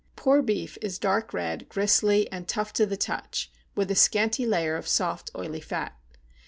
Poor beef is dark red, gristly, and tough to the touch, with a scanty layer of soft, oily fat.